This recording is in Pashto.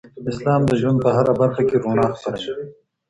اسلام د ژوند په هره برخه کي رڼا خپروي.